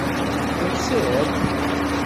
Telsiḍ?